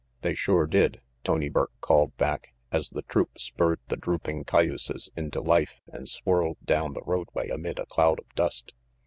"They sure did," Tony Burke called back, as the troop spurred the drooping cayuses into life and swirled down the roadway amid a cloud of dust.